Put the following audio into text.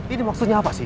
ini maksudnya apa sih